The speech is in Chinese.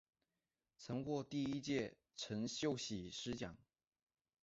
曾获第一届陈秀喜诗奖。